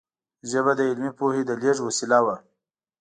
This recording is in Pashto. ژبه د علمي پوهې د لېږد وسیله وه.